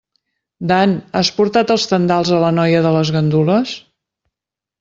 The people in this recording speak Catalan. Dan, has portat els tendals a la noia de les gandules?